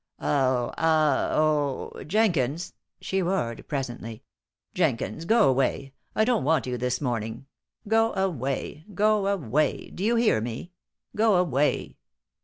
"Oh ah oh, Jenkins," she roared, presently. "Jenkins, go away. I don't want you this morning. Go away! go away! Do you hear me? Go away!"